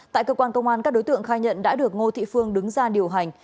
tại cơ quan công an các đối tượng khai nhận đã được ngô thị phương đứng ra điều hành